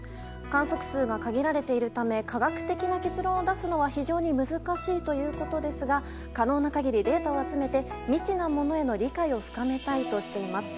観測数が限られているため科学的な結論を出すのは非常に難しいということですが可能な限りデータを集めて未知なものへの理解を深めたいとしています。